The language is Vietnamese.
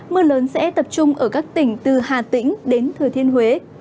mưa lớn sẽ tập trung ở các tỉnh từ hà tĩnh đến thừa thiên huế